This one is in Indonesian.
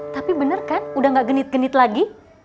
tapi bener kan udah gak genit genit lagi